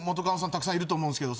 たくさんいると思うんですけど。